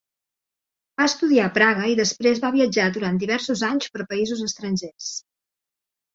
Va estudiar a Praga i després va viatjar durant diversos anys per països estrangers.